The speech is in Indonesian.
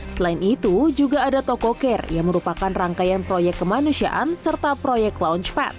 selain itu juga ada toko care yang merupakan rangkaian proyek kemanusiaan serta proyek launchpad